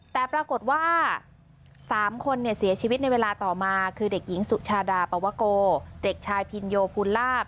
แต่ปรากฏว่า๓คนเสียชีวิตในเวลาต่อมาคือเด็กหญิงสุชาดาปวโกเด็กชายพินโยภูลาภ